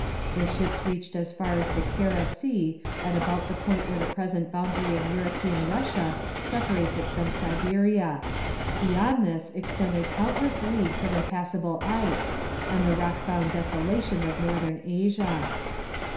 Their ships reached as far as the Kara Sea at about the point where the present boundary of European Russia separates it from Siberia. Beyond this extended countless leagues of impassable ice and the rock bound desolation of Northern Asia.